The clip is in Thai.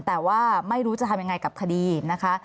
แต่ว่าไม่รู้จะทำยังไงกับคดีนะคะ